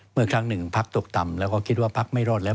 เมื่อครั้งหนึ่งพักตกต่ำแล้วก็คิดว่าพักไม่รอดแล้ว